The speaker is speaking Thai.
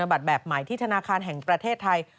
บัตรแบบใหม่ที่ธนาคารแห่งประเทศไทย